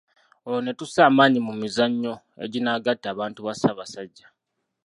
Olwo ne tussa amaanyi mu mizannyo eginaagatta abantu ba Ssaabasajja.